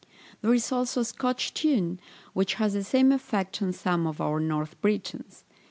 There is also a Scotch tune, which has the same effect on some of our North Britons.